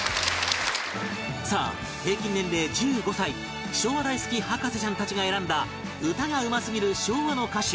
さあ平均年齢１５歳昭和大好き博士ちゃんたちが選んだ歌がうますぎる昭和の歌手